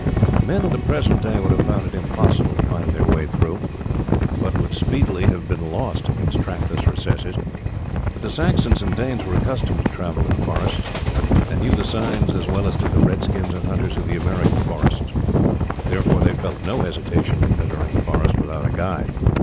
Men of the present day would have found it impossible to find their way through, but would speedily have been lost in its trackless recesses; but the Saxons and Danes were accustomed to travel in forests, and knew the signs as well as did the Red skins and hunters of the American forests. Therefore they felt no hesitation in entering the forest without a guide.